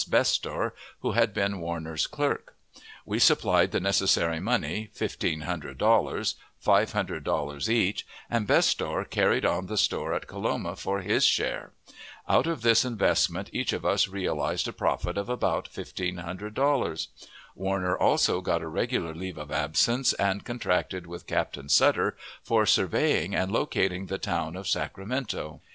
Bestor, who had been Warner's clerk. We supplied the necessary money, fifteen hundred dollars (five hundred dollars each), and Bestor carried on the store at Coloma for his share. Out of this investment, each of us realized a profit of about fifteen hundred dollars. Warner also got a regular leave of absence, and contracted with Captain Sutter for surveying and locating the town of Sacramento.